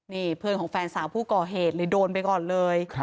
นี่เพื่อนของแฟนสาวผู้ก่อเหตุเลยโดนไปก่อนเลย